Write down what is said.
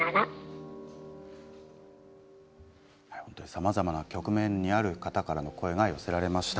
さまざまな局面にある方からの声が寄せられました。